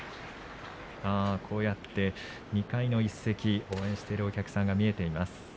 こうやって２階のいす席応援しているお客さんが見えています。